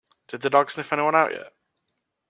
Did the dog sniff anyone out yet?